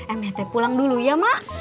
mht pulang dulu ya mak